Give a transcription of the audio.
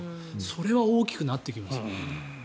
それは大きくなっていきますよ。